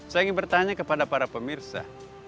saya ingin bertanya kepada para pemirsa